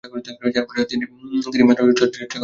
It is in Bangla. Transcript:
চার বছরে তিনি মাত্র ছয়টি টেস্টে অংশগ্রহণ করার সুযোগ পান।